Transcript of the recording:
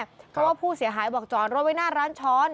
เพราะว่าผู้เสียหายบอกจอดรถไว้หน้าร้านช้อน